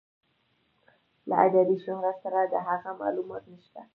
له ادبي شهرت سره د هغه معلومات نشته.